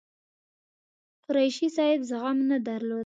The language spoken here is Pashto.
قریشي صاحب زغم نه درلود.